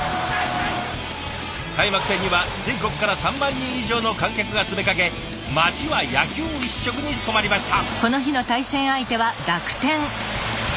開幕戦には全国から３万人以上の観客が詰めかけ町は野球一色に染まりました。